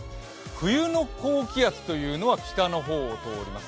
冬の高気圧というのは北の方を通ります。